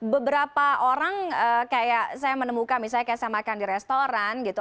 beberapa orang kayak saya menemukan misalnya kayak saya makan di restoran gitu